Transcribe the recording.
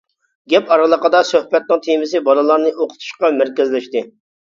گەپ ئارىلىقىدا سۆھبەتنىڭ تېمىسى بالىلارنى ئوقۇتۇشقا مەركەزلەشتى.